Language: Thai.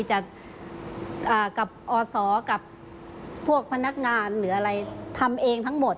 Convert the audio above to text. จะกับอศกับพวกพนักงานหรืออะไรทำเองทั้งหมด